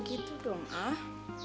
gitu dong ah